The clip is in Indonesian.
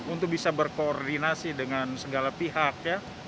untuk bisa berkoordinasi dengan segala pihak ya